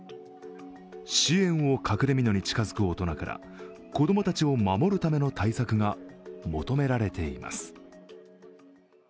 支援を隠れみのに近づく大人から子供たちを守るための対策が求められています。